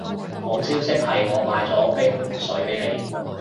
好消息係我買咗冰水畀你